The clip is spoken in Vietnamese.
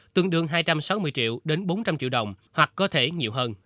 tương đương hai trăm sáu mươi triệu đến bốn trăm linh triệu đồng hoặc có thể nhiều hơn